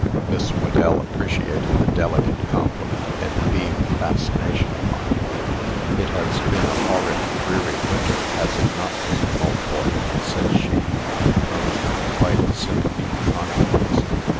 Miss Whedell appreciated the delicate compliment, and beamed fascination upon him. "It has been a horrid, dreary winter, has it not, Mr. Maltboy?" said she, in a tone that invited sympathy and confidence.